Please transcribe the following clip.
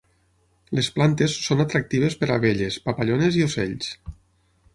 Les plantes són atractives per a abelles, papallones i ocells.